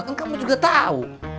kan kamu juga tahu